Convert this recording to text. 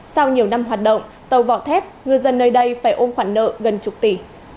sau nhiều năm hoạt động tàu vỏ thép ngư dân nơi đây phải ôm khoản nợ gần chục tỷ